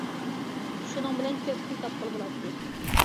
شۇنىڭ بىلەن كۆپ پۇل تاپقىلى بولاتتى.